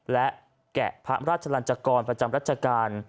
และแกะพระราชลันจกรประจำรัชกาล